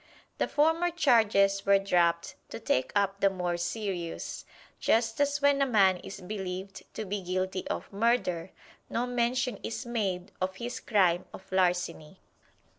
The former charges were dropped to take up the more serious just as when a man is believed to be guilty of murder, no mention is made of his crime of larceny.